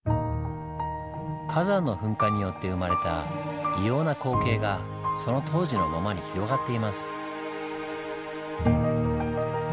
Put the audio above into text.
火山の噴火によって生まれた異様な光景がその当時のままに広がっています。